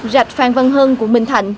rạch phan văn hân của bình thạnh